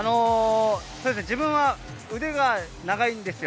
自分は腕が長いんですよ。